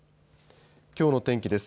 きょうの天気です。